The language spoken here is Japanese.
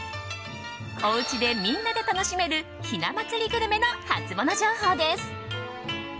おうちでみんなで楽しめるひな祭りグルメのハツモノ情報です。